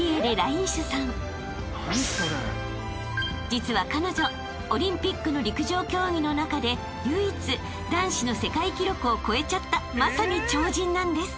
［実は彼女オリンピックの陸上競技の中で唯一男子の世界記録を超えちゃったまさに超人なんです］